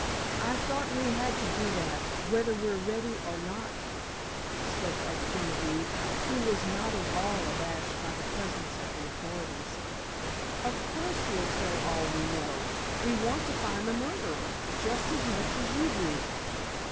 "I thought we had to do that, whether we're ready to or not," spoke up Genevieve, who was not at all abashed by the presence of the authorities. "Of course, we'll all tell all we know—we want to find the murderer just as much as you do."